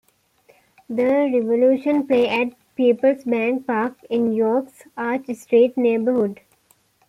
The Revolution play at PeoplesBank Park in York's Arch Street neighborhood.